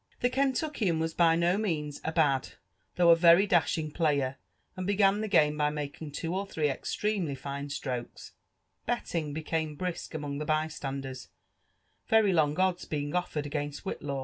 The Kentuckian was by no means a bad, though a very dashing^ player, and began the game by itiaking two or three extremely fine strokes*' Betting became brisk aipong the bystanders, very long odda being offered against Whillaw.